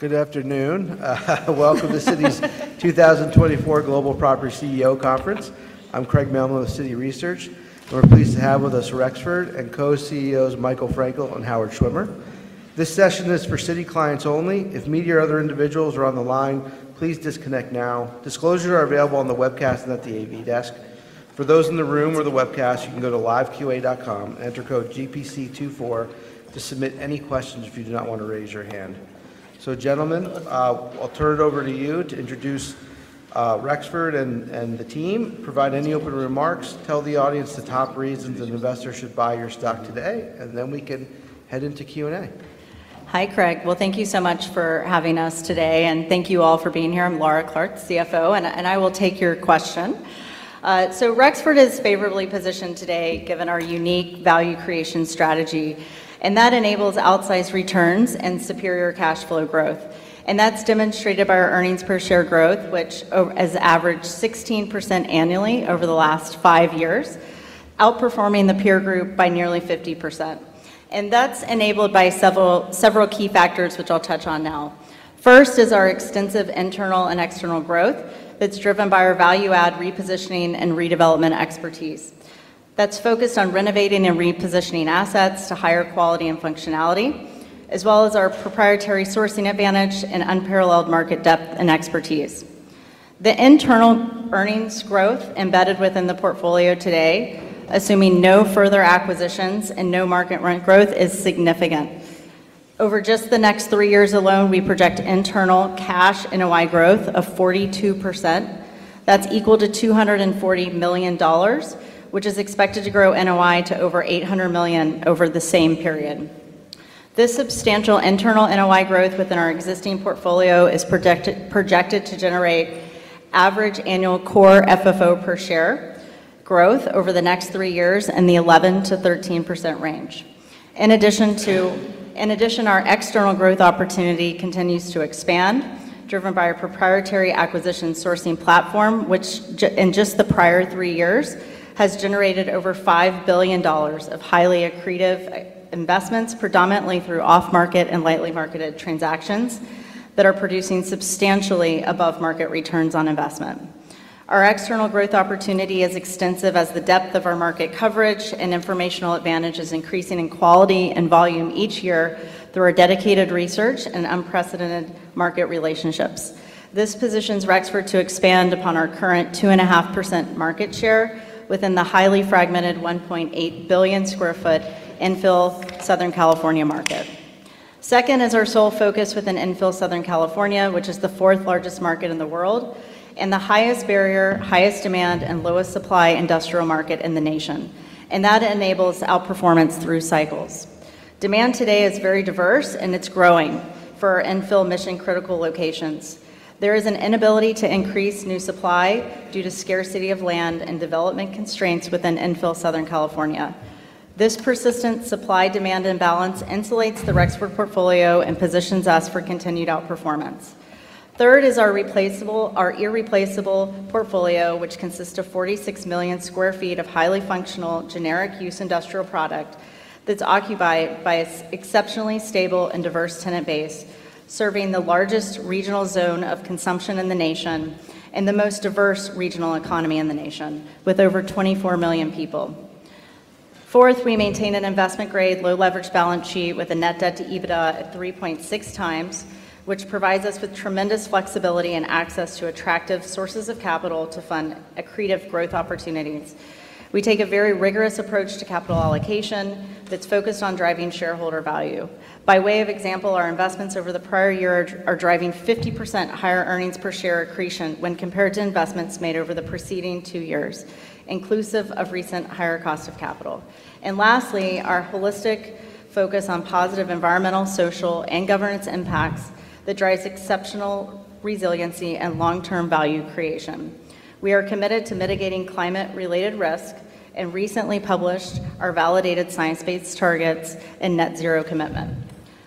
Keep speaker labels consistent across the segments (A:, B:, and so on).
A: Good afternoon. Welcome to Citi's 2024 Global Property CEO Conference. I'm Craig Mailman with Citi Research, and we're pleased to have with us Rexford and co-CEOs Michael Frankel and Howard Schwimmer. This session is for Citi clients only. If me or other individuals are on the line, please disconnect now. Disclosures are available on the webcast and at the AV desk. For those in the room or the webcast, you can go to liveqa.com and enter code GPC24 to submit any questions if you do not want to raise your hand. So, gentlemen, I'll turn it over to you to introduce Rexford and the team. Provide any open remarks. Tell the audience the top reasons an investor should buy your stock today, and then we can head into Q&A.
B: Hi, Craig. Well, thank you so much for having us today, and thank you all for being here. I'm Laura Clark, CFO, and I will take your question. Rexford is favorably positioned today given our unique value creation strategy, and that enables outsized returns and superior cash flow growth. That's demonstrated by our earnings per share growth, which has averaged 16% annually over the last five years, outperforming the peer group by nearly 50%. That's enabled by several key factors, which I'll touch on now. First is our extensive internal and external growth that's driven by our value add, repositioning, and redevelopment expertise. That's focused on renovating and repositioning assets to higher quality and functionality, as well as our proprietary sourcing advantage and unparalleled market depth and expertise. The internal earnings growth embedded within the portfolio today, assuming no further acquisitions and no market growth, is significant. Over just the next three years alone, we project internal cash NOI growth of 42%. That's equal to $240 million, which is expected to grow NOI to over $800 million over the same period. This substantial internal NOI growth within our existing portfolio is projected to generate average annual core FFO per share growth over the next three years in the 11%-13% range. In addition, our external growth opportunity continues to expand, driven by our proprietary acquisition sourcing platform, which in just the prior three years has generated over $5 billion of highly accretive investments, predominantly through off-market and lightly marketed transactions, that are producing substantially above market returns on investment. Our external growth opportunity is extensive as the depth of our market coverage and informational advantage is increasing in quality and volume each year through our dedicated research and unprecedented market relationships. This positions Rexford to expand upon our current 2.5% market share within the highly fragmented 1.8 billion sq ft Infill Southern California market. Second is our sole focus within Infill Southern California, which is the fourth largest market in the world and the highest barrier, highest demand, and lowest supply industrial market in the nation. That enables outperformance through cycles. Demand today is very diverse, and it's growing for our Inland Empire mission-critical locations. There is an inability to increase new supply due to scarcity of land and development constraints within Infill Southern California. This persistent supply-demand imbalance insulates the Rexford portfolio and positions us for continued outperformance. Third is our irreplaceable portfolio, which consists of 46 million sq ft of highly functional generic-use industrial product that's occupied by an exceptionally stable and diverse tenant base, serving the largest regional zone of consumption in the nation and the most diverse regional economy in the nation with over 24 million people. Fourth, we maintain an investment-grade, low-leverage balance sheet with a net debt to EBITDA at 3.6 times, which provides us with tremendous flexibility and access to attractive sources of capital to fund accretive growth opportunities. We take a very rigorous approach to capital allocation that's focused on driving shareholder value. By way of example, our investments over the prior year are driving 50% higher earnings per share accretion when compared to investments made over the preceding two years, inclusive of recent higher cost of capital. Lastly, our holistic focus on positive environmental, social, and governance impacts that drives exceptional resiliency and long-term value creation. We are committed to mitigating climate-related risk and recently published our validated Science-Based Targets and Net Zero commitment.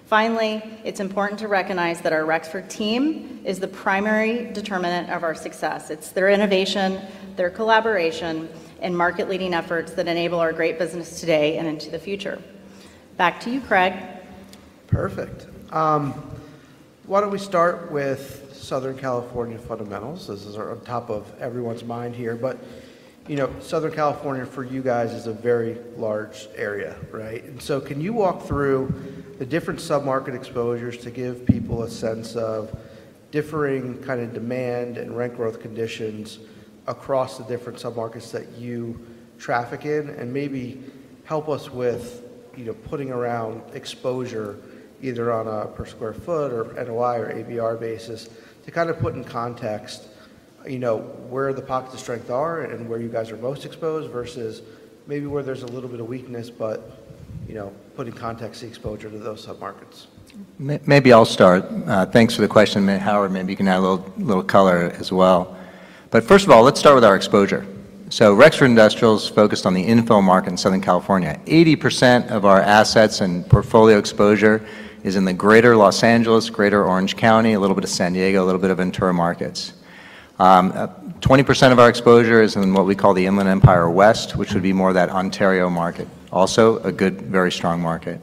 B: Finally, it's important to recognize that our Rexford team is the primary determinant of our success. It's their innovation, their collaboration, and market-leading efforts that enable our great business today and into the future. Back to you, Craig.
A: Perfect. Why don't we start with Southern California fundamentals? This is on top of everyone's mind here. But Southern California, for you guys, is a very large area, right? And so can you walk through the different submarket exposures to give people a sense of differing kind of demand and rent growth conditions across the different submarkets that you traffic in and maybe help us with putting around exposure either on a per square foot or NOI or ABR basis to kind of put in context where the pockets of strength are and where you guys are most exposed versus maybe where there's a little bit of weakness, but putting context to the exposure to those submarkets.
C: Maybe I'll start. Thanks for the question, Howard. Maybe you can add a little color as well. But first of all, let's start with our exposure. So Rexford Industrial is focused on the infill market in Southern California. 80% of our assets and portfolio exposure is in the greater Los Angeles, greater Orange County, a little bit of San Diego, a little bit of Ventura markets. 20% of our exposure is in what we call the Inland Empire West, which would be more that Ontario market, also a good, very strong market.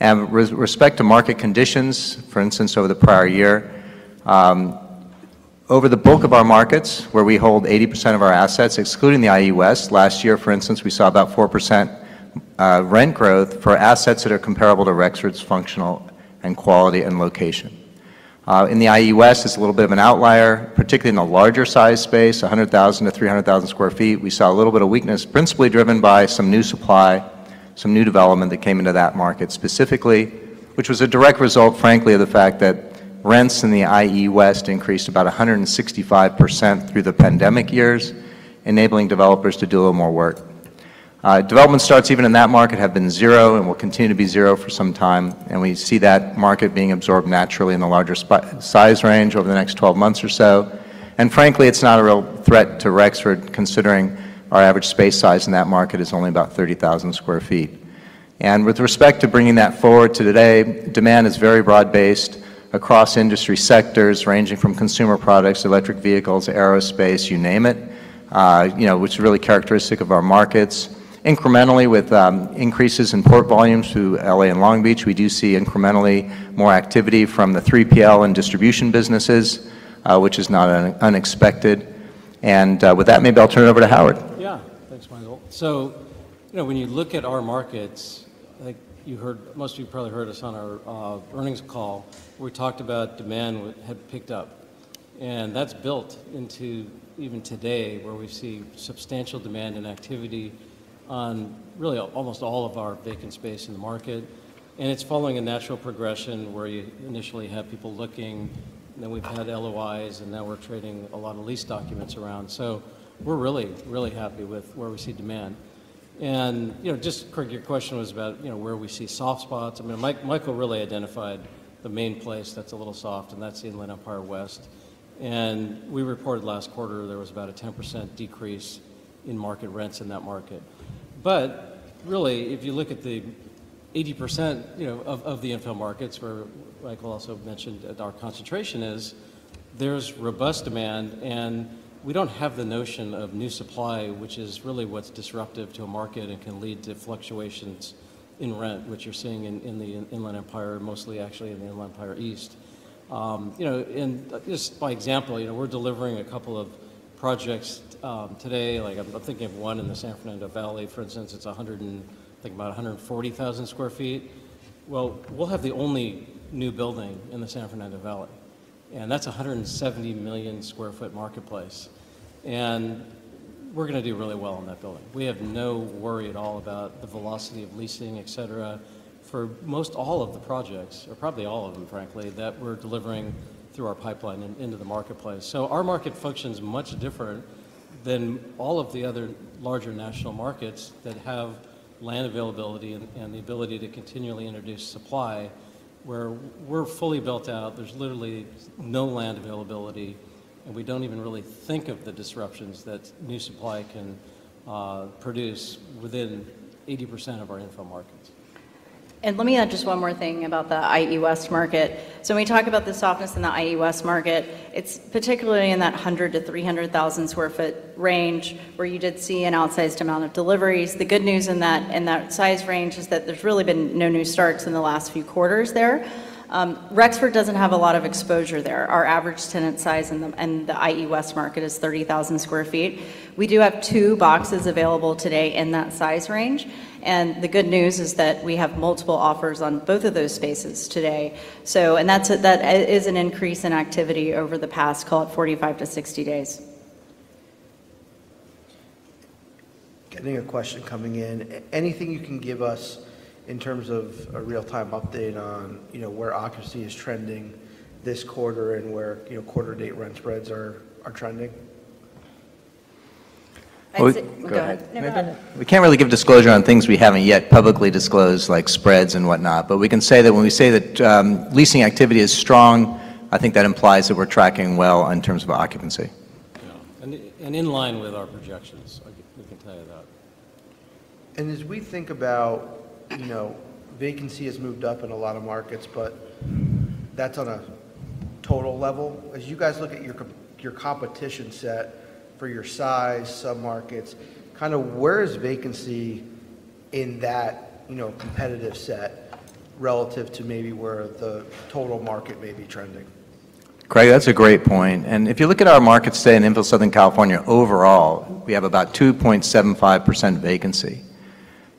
C: And with respect to market conditions, for instance, over the prior year, over the bulk of our markets where we hold 80% of our assets, excluding the IE West, last year, for instance, we saw about 4% rent growth for assets that are comparable to Rexford's functional and quality and location. In the IE West, it's a little bit of an outlier, particularly in the larger size space, 100,000-300,000 sq ft. We saw a little bit of weakness, principally driven by some new supply, some new development that came into that market specifically, which was a direct result, frankly, of the fact that rents in the IE West increased about 165% through the pandemic years, enabling developers to do a little more work. Development starts even in that market have been zero and will continue to be zero for some time. And we see that market being absorbed naturally in the larger size range over the next 12 months or so. And frankly, it's not a real threat to Rexford considering our average space size in that market is only about 30,000 sq ft. With respect to bringing that forward to today, demand is very broad-based across industry sectors ranging from consumer products, electric vehicles, aerospace, you name it, which is really characteristic of our markets. Incrementally, with increases in port volumes to L.A. and Long Beach, we do see incrementally more activity from the 3PL and distribution businesses, which is not unexpected. With that, maybe I'll turn it over to Howard.
D: Yeah. Thanks, Michael. So when you look at our markets, I think you heard most of you probably heard us on our earnings call where we talked about demand had picked up. That's built into even today where we see substantial demand and activity on really almost all of our vacant space in the market. It's following a natural progression where you initially have people looking, and then we've had LOIs, and now we're trading a lot of lease documents around. So we're really, really happy with where we see demand. Just, Craig, your question was about where we see soft spots. I mean, Michael really identified the main place that's a little soft, and that's the Inland Empire West. We reported last quarter there was about a 10% decrease in market rents in that market. But really, if you look at the 80% of the infill markets where Michael also mentioned our concentration is, there's robust demand, and we don't have the notion of new supply, which is really what's disruptive to a market and can lead to fluctuations in rent, which you're seeing in the Inland Empire, mostly actually in the Inland Empire East. Just by example, we're delivering a couple of projects today. I'm thinking of one in the San Fernando Valley, for instance. It's thinking about 140,000 sq ft. Well, we'll have the only new building in the San Fernando Valley. And that's a 170 million sq ft marketplace. And we're going to do really well in that building. We have no worry at all about the velocity of leasing, etc., for most all of the projects, or probably all of them, frankly, that we're delivering through our pipeline into the marketplace. So our market functions much different than all of the other larger national markets that have land availability and the ability to continually introduce supply, where we're fully built out. There's literally no land availability, and we don't even really think of the disruptions that new supply can produce within 80% of our infill markets.
B: And let me add just one more thing about the IE West market. So when we talk about the softness in the IE West market, it's particularly in that 100-300,000 sq ft range where you did see an outsized amount of deliveries. The good news in that size range is that there's really been no new starts in the last few quarters there. Rexford doesn't have a lot of exposure there. Our average tenant size in the IE West market is 30,000 sq ft. We do have two boxes available today in that size range. And the good news is that we have multiple offers on both of those spaces today. And that is an increase in activity over the past, call it 45-60 days.
A: Getting a question coming in. Anything you can give us in terms of a real-time update on where occupancy is trending this quarter and where quarter-to-date rent spreads are trending?
B: I think go ahead.
C: We can't really give disclosure on things we haven't yet publicly disclosed, like spreads and whatnot. But we can say that when we say that leasing activity is strong, I think that implies that we're tracking well in terms of occupancy.
D: Yeah. In line with our projections, we can tell you that.
A: As we think about vacancy has moved up in a lot of markets, but that's on a total level. As you guys look at your competition set for your size submarkets, kind of where is vacancy in that competitive set relative to maybe where the total market may be trending?
C: Craig, that's a great point. If you look at our markets today in Inland Empire, Southern California overall, we have about 2.75% vacancy.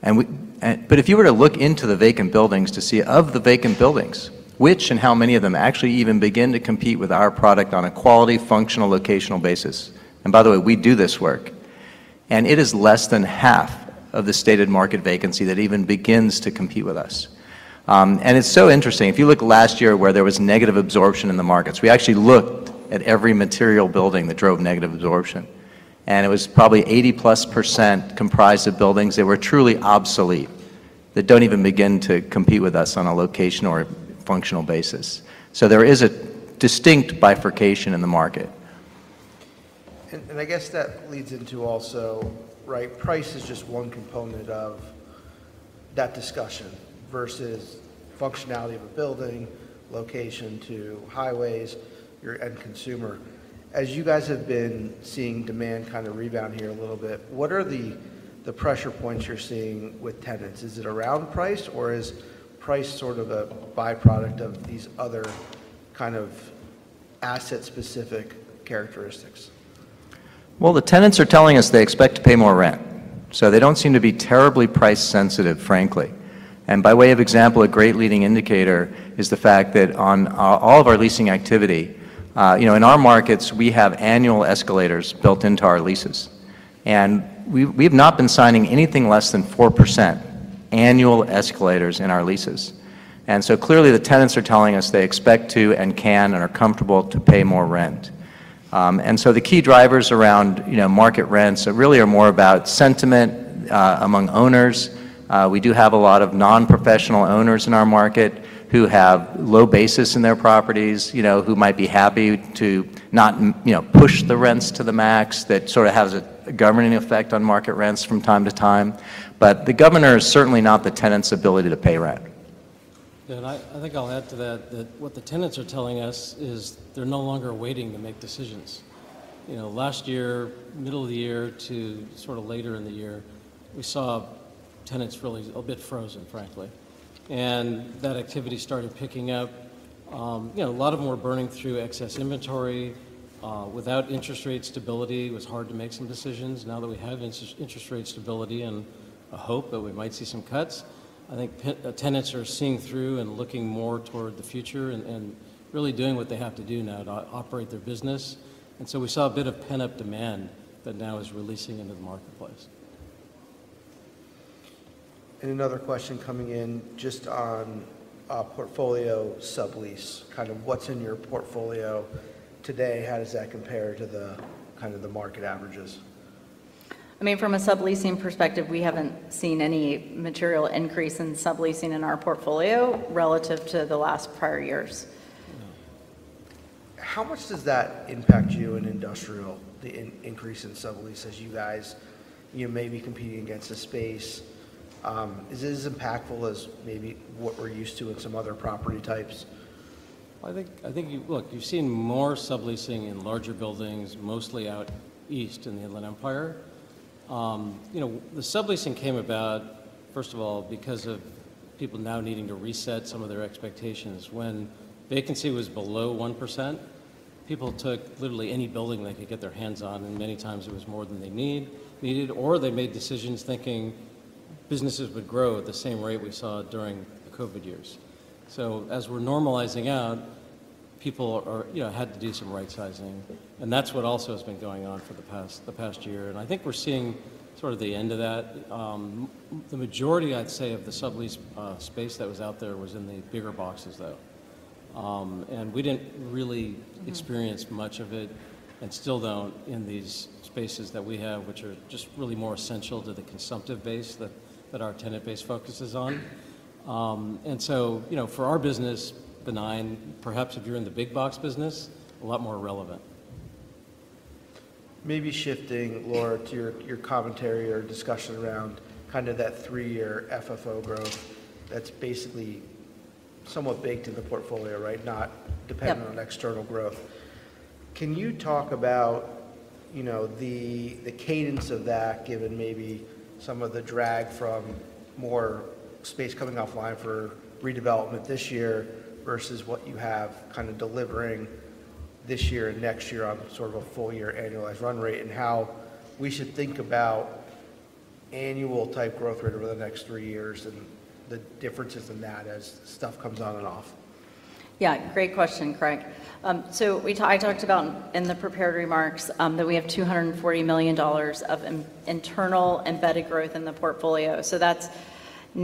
C: But if you were to look into the vacant buildings to see of the vacant buildings, which and how many of them actually even begin to compete with our product on a quality, functional, locational basis, and by the way, we do this work, and it is less than half of the stated market vacancy that even begins to compete with us. And it's so interesting. If you look last year where there was negative absorption in the markets, we actually looked at every material building that drove negative absorption. And it was probably 80%+ comprised of buildings that were truly obsolete that don't even begin to compete with us on a locational or functional basis. So there is a distinct bifurcation in the market.
A: I guess that leads into also, right, price is just one component of that discussion versus functionality of a building, location to highways, and consumer. As you guys have been seeing demand kind of rebound here a little bit, what are the pressure points you're seeing with tenants? Is it around price, or is price sort of a byproduct of these other kind of asset-specific characteristics?
C: Well, the tenants are telling us they expect to pay more rent. So they don't seem to be terribly price-sensitive, frankly. And by way of example, a great leading indicator is the fact that on all of our leasing activity, in our markets, we have annual escalators built into our leases. And we have not been signing anything less than 4% annual escalators in our leases. And so clearly, the tenants are telling us they expect to and can and are comfortable to pay more rent. And so the key drivers around market rents really are more about sentiment among owners. We do have a lot of non-professional owners in our market who have low basis in their properties, who might be happy to not push the rents to the max, that sort of has a governing effect on market rents from time to time. But the governor is certainly not the tenant's ability to pay rent.
D: Yeah. And I think I'll add to that that what the tenants are telling us is they're no longer waiting to make decisions. Last year, middle of the year to sort of later in the year, we saw tenants really a bit frozen, frankly. And that activity started picking up. A lot of them were burning through excess inventory. Without interest rate stability, it was hard to make some decisions. Now that we have interest rate stability and a hope that we might see some cuts, I think tenants are seeing through and looking more toward the future and really doing what they have to do now to operate their business. And so we saw a bit of pent-up demand that now is releasing into the marketplace.
A: Another question coming in just on portfolio sublease. Kind of what's in your portfolio today? How does that compare to kind of the market averages?
B: I mean, from a subleasing perspective, we haven't seen any material increase in subleasing in our portfolio relative to the last prior years.
A: How much does that impact you in industrial, the increase in sublease as you guys may be competing against the space? Is it as impactful as maybe what we're used to in some other property types?
D: Well, I think look, you've seen more subleasing in larger buildings, mostly out east in the Inland Empire. The subleasing came about, first of all, because of people now needing to reset some of their expectations. When vacancy was below 1%, people took literally any building they could get their hands on. And many times, it was more than they needed, or they made decisions thinking businesses would grow at the same rate we saw during the COVID years. So as we're normalizing out, people had to do some right-sizing. And that's what also has been going on for the past year. And I think we're seeing sort of the end of that. The majority, I'd say, of the sublease space that was out there was in the bigger boxes, though. We didn't really experience much of it and still don't in these spaces that we have, which are just really more essential to the consumptive base that our tenant base focuses on. So for our business, benign. Perhaps if you're in the big box business, a lot more relevant.
A: Maybe shifting, Laura, to your commentary or discussion around kind of that three-year FFO growth that's basically somewhat baked into the portfolio, right, not dependent on external growth. Can you talk about the cadence of that, given maybe some of the drag from more space coming offline for redevelopment this year versus what you have kind of delivering this year and next year on sort of a full-year annualized run rate and how we should think about annual-type growth rate over the next three years and the differences in that as stuff comes on and off?
B: Yeah. Great question, Craig. So I talked about in the prepared remarks that we have $240 million of internal embedded growth in the portfolio. So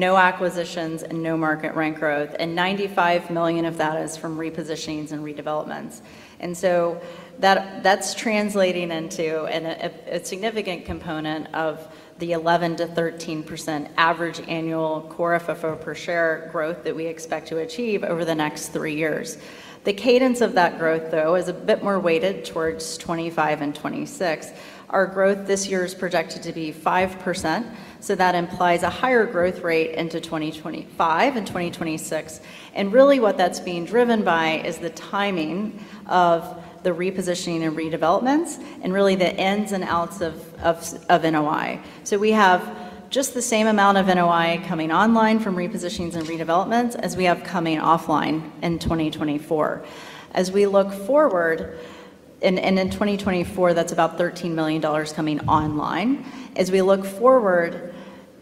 B: that's no acquisitions and no market rent growth. And $95 million of that is from repositionings and redevelopments. And so that's translating into a significant component of the 11%-13% average annual core FFO per share growth that we expect to achieve over the next three years. The cadence of that growth, though, is a bit more weighted towards 2025 and 2026. Our growth this year is projected to be 5%. So that implies a higher growth rate into 2025 and 2026. And really, what that's being driven by is the timing of the repositioning and redevelopments and really the ins and outs of NOI. We have just the same amount of NOI coming online from repositionings and redevelopments as we have coming offline in 2024. As we look forward, and in 2024, that's about $13 million coming online. As we look forward,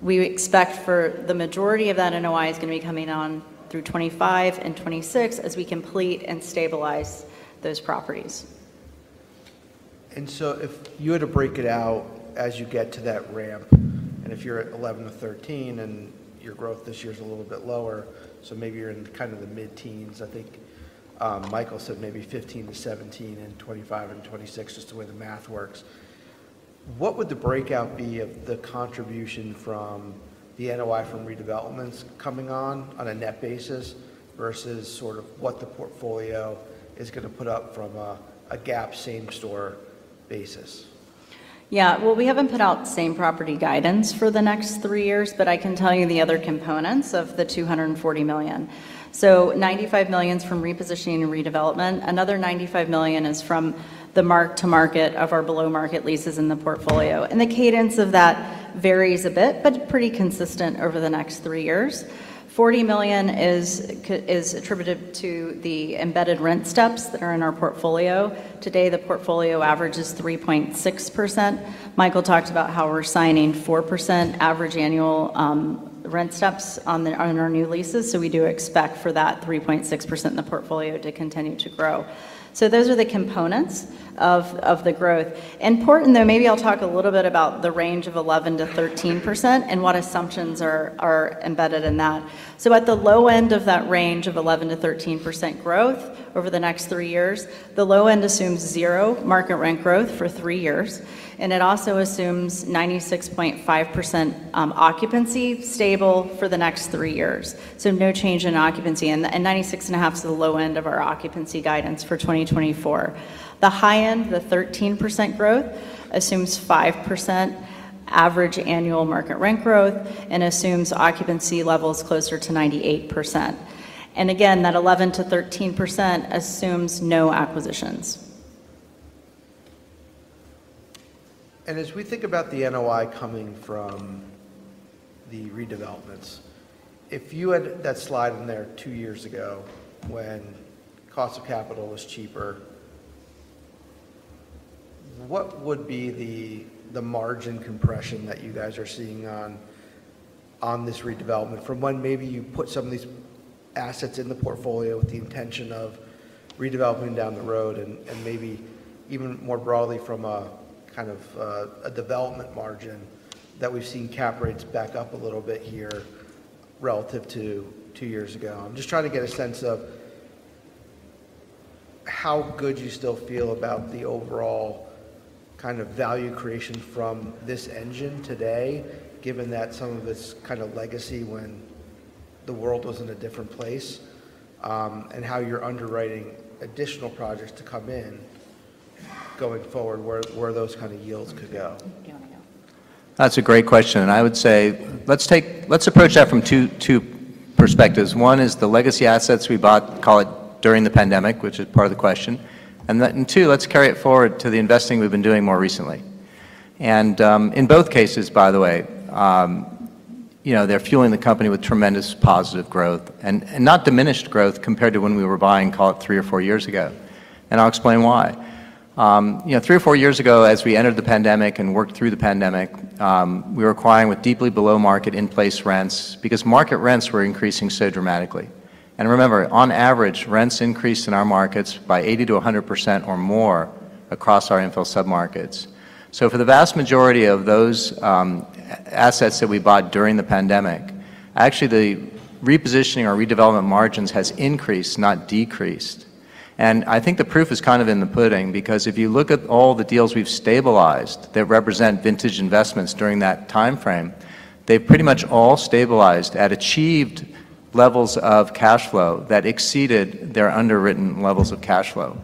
B: we expect for the majority of that NOI is going to be coming on through 2025 and 2026 as we complete and stabilize those properties.
A: So if you had to break it out as you get to that ramp, and if you're at 11-13 and your growth this year is a little bit lower, so maybe you're in kind of the mid-teens, I think Michael said maybe 15-17 in 2025 and 2026 just the way the math works, what would the breakout be of the contribution from the NOI from redevelopments coming on a net basis versus sort of what the portfolio is going to put up from a GAAP same-store basis?
B: Yeah. Well, we haven't put out same-property guidance for the next three years, but I can tell you the other components of the $240 million. So $95 million is from repositioning and redevelopment. Another $95 million is from the mark-to-market of our below-market leases in the portfolio. And the cadence of that varies a bit, but pretty consistent over the next three years. $40 million is attributed to the embedded rent steps that are in our portfolio. Today, the portfolio averages 3.6%. Michael talked about how we're signing 4% average annual rent steps on our new leases. So we do expect for that 3.6% in the portfolio to continue to grow. So those are the components of the growth. Important, though, maybe I'll talk a little bit about the range of 11%-13% and what assumptions are embedded in that. At the low end of that range of 11%-13% growth over the next three years, the low end assumes zero market rent growth for three years. It also assumes 96.5% occupancy stable for the next three years. No change in occupancy. 96.5 is the low end of our occupancy guidance for 2024. The high end, the 13% growth, assumes 5% average annual market rent growth and assumes occupancy levels closer to 98%. Again, that 11%-13% assumes no acquisitions.
A: As we think about the NOI coming from the redevelopments, if you had that slide in there two years ago when cost of capital was cheaper, what would be the margin compression that you guys are seeing on this redevelopment from when maybe you put some of these assets in the portfolio with the intention of redeveloping down the road and maybe even more broadly from a kind of a development margin that we've seen cap rates back up a little bit here relative to two years ago? I'm just trying to get a sense of how good you still feel about the overall kind of value creation from this engine today, given that some of its kind of legacy when the world was in a different place and how you're underwriting additional projects to come in going forward, where those kind of yields could go.
C: That's a great question. I would say let's approach that from two perspectives. One is the legacy assets we bought, call it during the pandemic, which is part of the question. Two, let's carry it forward to the investing we've been doing more recently. In both cases, by the way, they're fueling the company with tremendous positive growth and not diminished growth compared to when we were buying, call it three or four years ago. I'll explain why. Three or four years ago, as we entered the pandemic and worked through the pandemic, we were acquiring with deeply below-market in-place rents because market rents were increasing so dramatically. Remember, on average, rents increased in our markets by 80%-100% or more across our Inland Empire submarkets. So for the vast majority of those assets that we bought during the pandemic, actually, the repositioning or redevelopment margins has increased, not decreased. And I think the proof is kind of in the pudding because if you look at all the deals we've stabilized that represent vintage investments during that timeframe, they've pretty much all stabilized at achieved levels of cash flow that exceeded their underwritten levels of cash flow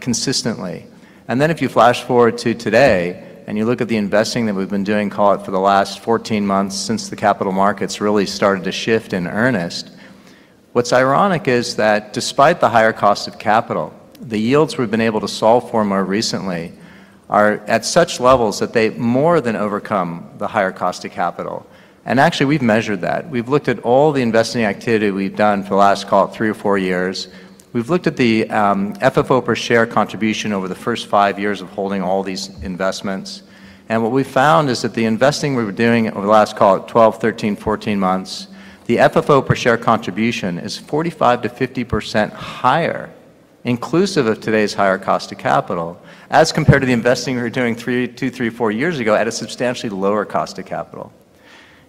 C: consistently. And then if you flash forward to today and you look at the investing that we've been doing, call it for the last 14 months since the capital markets really started to shift in earnest, what's ironic is that despite the higher cost of capital, the yields we've been able to solve for more recently are at such levels that they more than overcome the higher cost of capital. And actually, we've measured that. We've looked at all the investing activity we've done for the last, call it, 3 or 4 years. We've looked at the FFO per share contribution over the first 5 years of holding all these investments. What we found is that the investing we were doing over the last, call it, 12, 13, 14 months, the FFO per share contribution is 45%-50% higher, inclusive of today's higher cost of capital, as compared to the investing we were doing 2, 3, 4 years ago at a substantially lower cost of capital.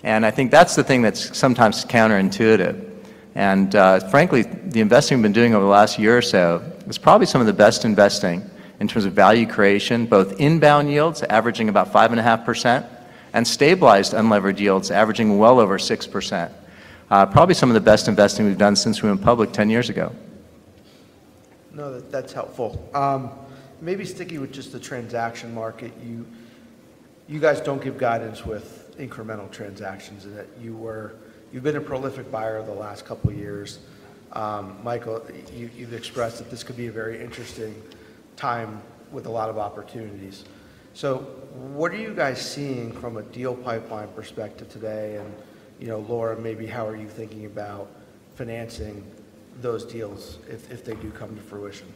C: I think that's the thing that's sometimes counterintuitive. Frankly, the investing we've been doing over the last year or so is probably some of the best investing in terms of value creation, both inbound yields averaging about 5.5% and stabilized unlevered yields averaging well over 6%, probably some of the best investing we've done since we went public 10 years ago.
A: No, that's helpful. Maybe sticking with just the transaction market, you guys don't give guidance with incremental transactions and that you've been a prolific buyer the last couple of years. Michael, you've expressed that this could be a very interesting time with a lot of opportunities. So what are you guys seeing from a deal pipeline perspective today? And Laura, maybe how are you thinking about financing those deals if they do come to fruition?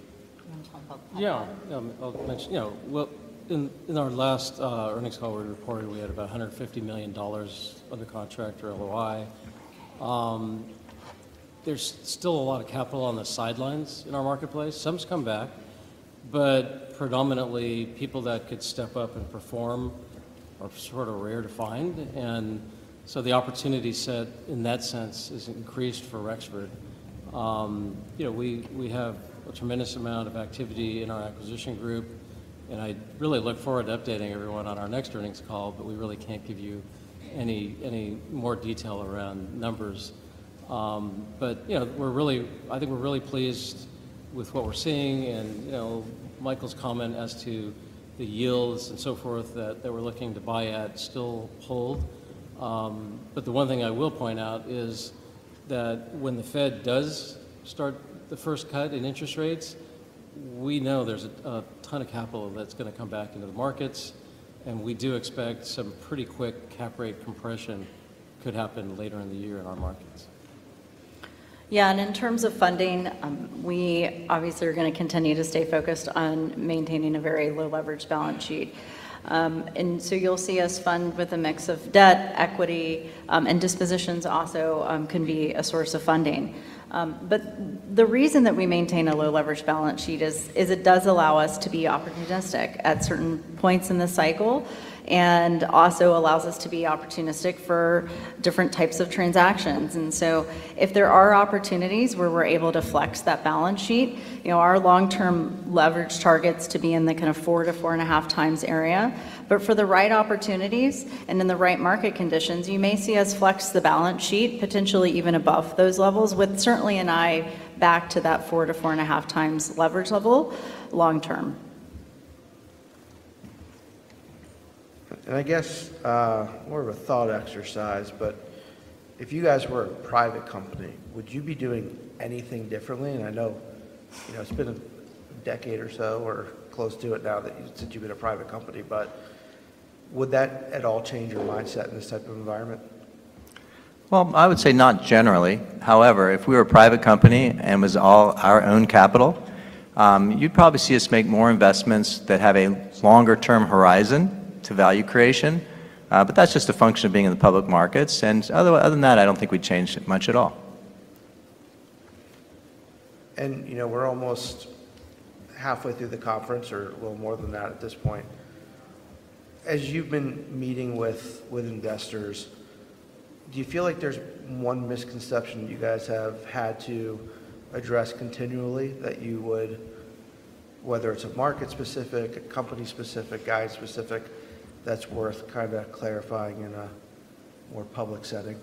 D: Yeah. I'll mention, well, in our last earnings call we reported, we had about $150 million under contract or LOI. There's still a lot of capital on the sidelines in our marketplace. Some's come back. But predominantly, people that could step up and perform are sort of rare to find. And so the opportunity set in that sense is increased for Rexford. We have a tremendous amount of activity in our acquisition group. And I really look forward to updating everyone on our next earnings call, but we really can't give you any more detail around numbers. But I think we're really pleased with what we're seeing. And Michael's comment as to the yields and so forth that we're looking to buy at still hold. But the one thing I will point out is that when the Fed does start the first cut in interest rates, we know there's a ton of capital that's going to come back into the markets. And we do expect some pretty quick cap rate compression could happen later in the year in our markets.
B: Yeah. And in terms of funding, we obviously are going to continue to stay focused on maintaining a very low-leverage balance sheet. And so you'll see us fund with a mix of debt, equity, and dispositions also can be a source of funding. But the reason that we maintain a low-leverage balance sheet is it does allow us to be opportunistic at certain points in the cycle and also allows us to be opportunistic for different types of transactions. And so if there are opportunities where we're able to flex that balance sheet, our long-term leverage target's to be in the kind of 4-4.5 times area. But for the right opportunities and in the right market conditions, you may see us flex the balance sheet potentially even above those levels with certainly an eye back to that 4-4.5 times leverage level long term.
A: I guess more of a thought exercise, but if you guys were a private company, would you be doing anything differently? I know it's been a decade or so or close to it now that you've been a private company, but would that at all change your mindset in this type of environment?
C: Well, I would say not generally. However, if we were a private company and was all our own capital, you'd probably see us make more investments that have a longer-term horizon to value creation. But that's just a function of being in the public markets. Other than that, I don't think we'd change much at all.
A: We're almost halfway through the conference or a little more than that at this point. As you've been meeting with investors, do you feel like there's one misconception you guys have had to address continually that you would, whether it's a market-specific, a company-specific, guide-specific, that's worth kind of clarifying in a more public setting?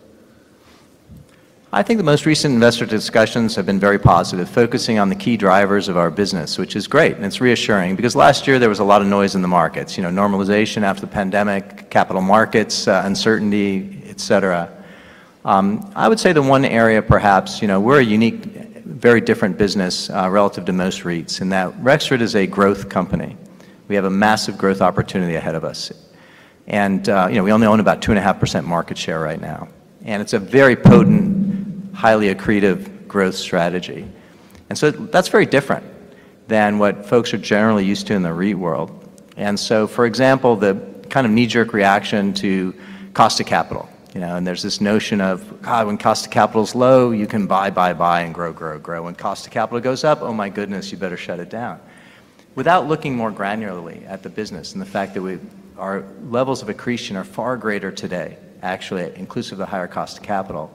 C: I think the most recent investor discussions have been very positive, focusing on the key drivers of our business, which is great. It's reassuring because last year, there was a lot of noise in the markets, normalization after the pandemic, capital markets, uncertainty, etc. I would say the one area, perhaps, we're a unique, very different business relative to most REITs in that Rexford is a growth company. We have a massive growth opportunity ahead of us. We only own about 2.5% market share right now. It's a very potent, highly accretive growth strategy. So that's very different than what folks are generally used to in the REIT world. So, for example, the kind of knee-jerk reaction to cost of capital. There's this notion of, "God, when cost of capital's low, you can buy, buy, buy, and grow, grow, grow. When cost of capital goes up, oh my goodness, you better shut it down." Without looking more granularly at the business and the fact that our levels of accretion are far greater today, actually, inclusive of the higher cost of capital,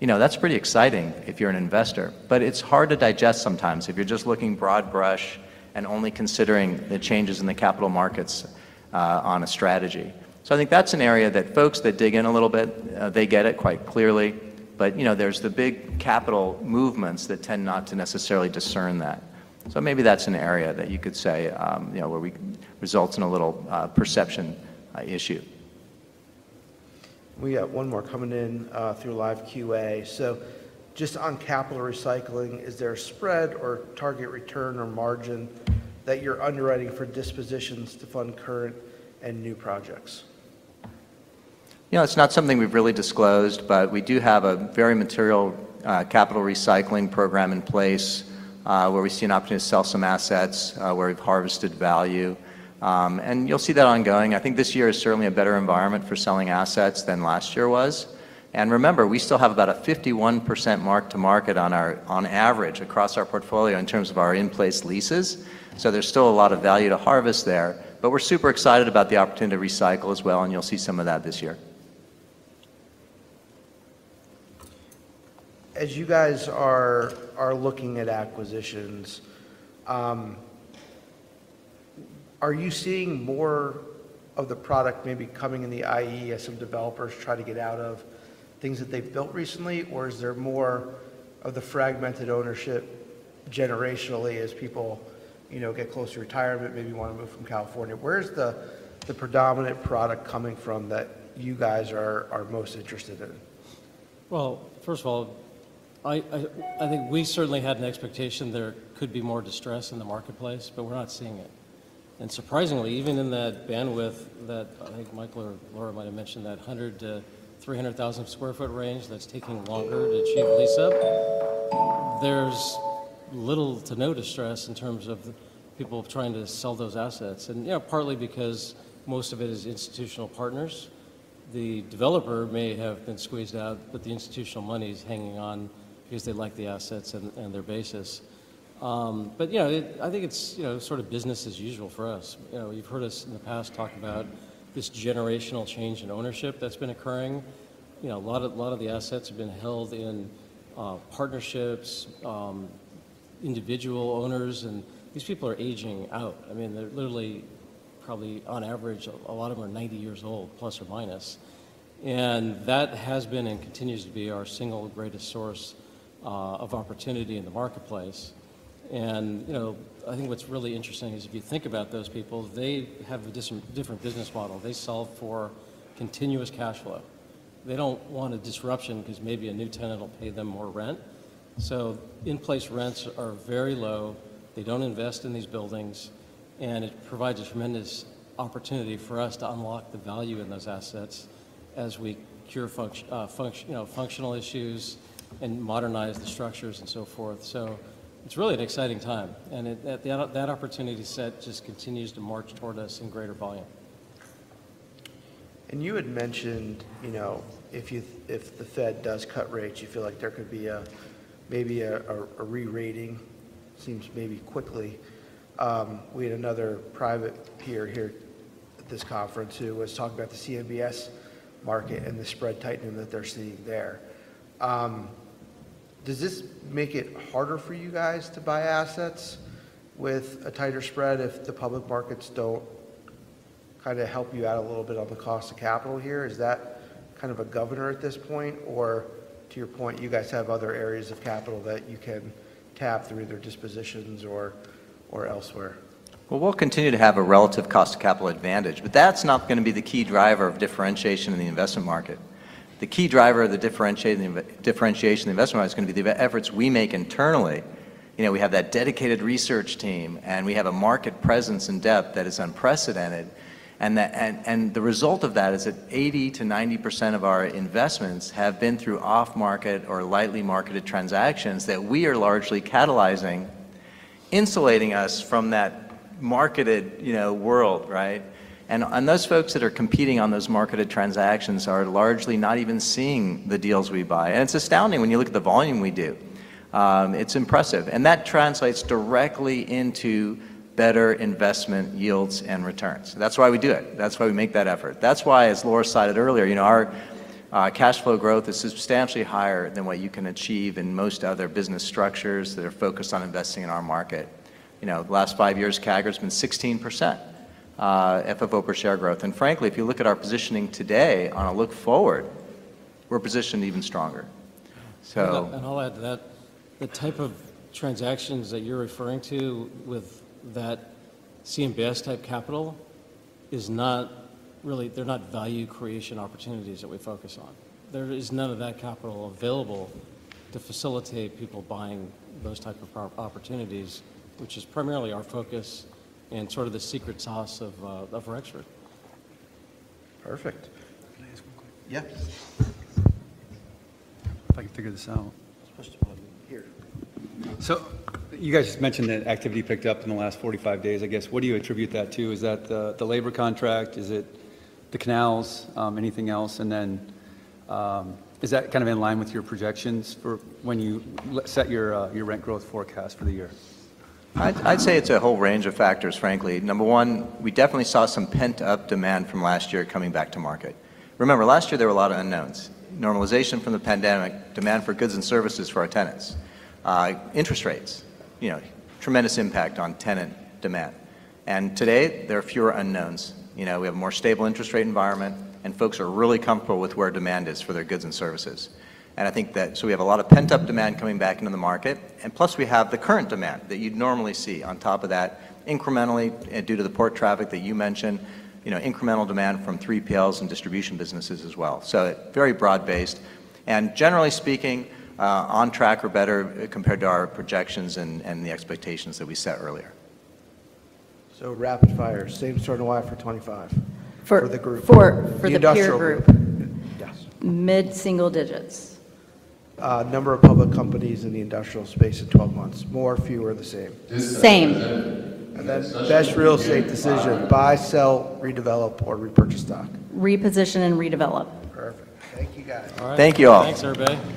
C: that's pretty exciting if you're an investor. But it's hard to digest sometimes if you're just looking broad brush and only considering the changes in the capital markets on a strategy. So I think that's an area that folks that dig in a little bit, they get it quite clearly. But there's the big capital movements that tend not to necessarily discern that. So maybe that's an area that you could say where we results in a little perception issue.
A: We got one more coming in through live QA. So just on capital recycling, is there a spread or target return or margin that you're underwriting for dispositions to fund current and new projects?
C: It's not something we've really disclosed, but we do have a very material capital recycling program in place where we see an opportunity to sell some assets where we've harvested value. You'll see that ongoing. I think this year is certainly a better environment for selling assets than last year was. Remember, we still have about a 51% mark-to-market on average across our portfolio in terms of our in-place leases. There's still a lot of value to harvest there. We're super excited about the opportunity to recycle as well. You'll see some of that this year.
A: As you guys are looking at acquisitions, are you seeing more of the product maybe coming in the IE as some developers try to get out of things that they've built recently? Or is there more of the fragmented ownership generationally as people get close to retirement, maybe want to move from California? Where's the predominant product coming from that you guys are most interested in?
D: Well, first of all, I think we certainly had an expectation there could be more distress in the marketplace, but we're not seeing it. And surprisingly, even in that bandwidth that I think Michael or Laura might have mentioned, that 100-300,000 sq ft range that's taking longer to achieve lease up, there's little to no distress in terms of people trying to sell those assets, partly because most of it is institutional partners. The developer may have been squeezed out, but the institutional money's hanging on because they like the assets and their basis. But I think it's sort of business as usual for us. You've heard us in the past talk about this generational change in ownership that's been occurring. A lot of the assets have been held in partnerships, individual owners. And these people are aging out. I mean, they're literally probably, on average, a lot of them are 90 years old ±. And that has been and continues to be our single greatest source of opportunity in the marketplace. And I think what's really interesting is if you think about those people, they have a different business model. They sell for continuous cash flow. They don't want a disruption because maybe a new tenant will pay them more rent. So in-place rents are very low. They don't invest in these buildings. And it provides a tremendous opportunity for us to unlock the value in those assets as we cure functional issues and modernize the structures and so forth. So it's really an exciting time. And that opportunity set just continues to march toward us in greater volume.
A: You had mentioned if the Fed does cut rates, you feel like there could be maybe a rerating, seems maybe quickly. We had another private peer here at this conference who was talking about the CMBS market and the spread tightening that they're seeing there. Does this make it harder for you guys to buy assets with a tighter spread if the public markets don't kind of help you out a little bit on the cost of capital here? Is that kind of a governor at this point? Or to your point, you guys have other areas of capital that you can tap through their dispositions or elsewhere?
C: Well, we'll continue to have a relative cost of capital advantage, but that's not going to be the key driver of differentiation in the investment market. The key driver of the differentiation in the investment market is going to be the efforts we make internally. We have that dedicated research team, and we have a market presence in depth that is unprecedented. And the result of that is that 80%-90% of our investments have been through off-market or lightly marketed transactions that we are largely catalyzing, insulating us from that marketed world, right? And those folks that are competing on those marketed transactions are largely not even seeing the deals we buy. And it's astounding when you look at the volume we do. It's impressive. And that translates directly into better investment yields and returns. That's why we do it. That's why we make that effort. That's why, as Laura cited earlier, our cash flow growth is substantially higher than what you can achieve in most other business structures that are focused on investing in our market. The last five years, CAGR has been 16% FFO per share growth. And frankly, if you look at our positioning today on a look forward, we're positioned even stronger.
D: I'll add to that, the type of transactions that you're referring to with that CMBS-type capital is not really. They're not value creation opportunities that we focus on. There is none of that capital available to facilitate people buying those type of opportunities, which is primarily our focus and sort of the secret sauce of Rexford.
A: Perfect.
E: Can I ask one quick?
A: Yeah. If I can figure this out.
C: First of all, here.
E: You guys just mentioned that activity picked up in the last 45 days, I guess. What do you attribute that to? Is that the labor contract? Is it the canals? Anything else? Then is that kind of in line with your projections for when you set your rent growth forecast for the year?
C: I'd say it's a whole range of factors, frankly. Number one, we definitely saw some pent-up demand from last year coming back to market. Remember, last year, there were a lot of unknowns: normalization from the pandemic, demand for goods and services for our tenants, interest rates, tremendous impact on tenant demand. Today, there are fewer unknowns. We have a more stable interest rate environment, and folks are really comfortable with where demand is for their goods and services. And I think that so we have a lot of pent-up demand coming back into the market. And plus, we have the current demand that you'd normally see on top of that incrementally due to the port traffic that you mentioned, incremental demand from 3PLs and distribution businesses as well. So very broad-based. Generally speaking, on track or better compared to our projections and the expectations that we set earlier.
A: Rapid fire. Same starting yield for 2025 for the group.
B: For the peer group.
A: Yes.
B: Mid single digits.
A: Number of public companies in the industrial space in 12 months: more, fewer, the same.
B: Same.
A: Best real estate decision: buy, sell, redevelop, or repurchase stock?
B: Reposition and redevelop.
A: Perfect. Thank you, guys.
C: All right. Thank you all.
A: Thanks, everybody.